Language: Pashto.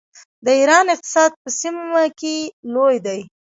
د ایران اقتصاد په سیمه کې لوی دی.